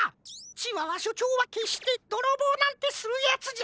チワワしょちょうはけっしてどろぼうなんてするヤツじゃない！